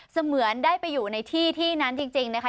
เหมือนได้ไปอยู่ในที่ที่นั้นจริงนะคะ